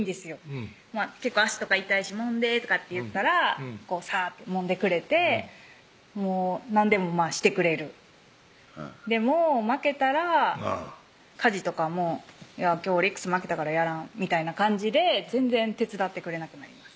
結構足とか痛いし「もんで」とかって言ったらサーッともんでくれてもう何でもしてくれるでも負けたら家事とかも「今日オリックス負けたからやらん」みたいな感じで全然手伝ってくれなくなります